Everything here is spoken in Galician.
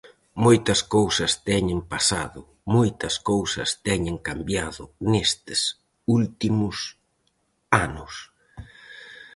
Moitas cousas teñen pasado, moitas cousas teñen cambiado nestes últimos anos.